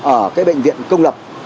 ở cái bệnh viện công lập